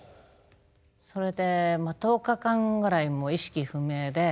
それで１０日間ぐらい意識不明で。